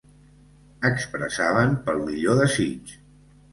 Expressaven pel millor desig.